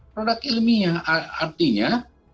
produk ilmiah artinya